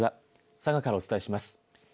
佐賀からお伝えします。